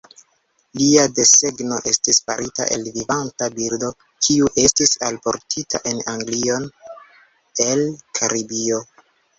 Lia desegno estis farita el vivanta birdo kiu estis alportita en Anglion el Karibio.